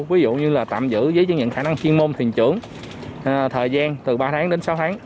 ví dụ như là tạm giữ với những khả năng chuyên môn thuyền trưởng thời gian từ ba tháng đến sáu tháng